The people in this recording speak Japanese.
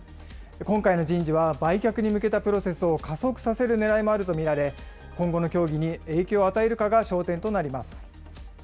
今回の人事は売却に向けたプロセスを加速させるねらいもあると見られ、今後の協議に影響を与えるかが焦点になります。